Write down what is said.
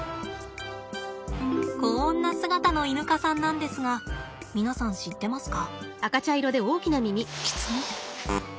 こんな姿のイヌ科さんなんですが皆さん知ってますか？